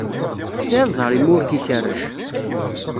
Tesɛiḍ zzheṛ imi ur k-ikerrec.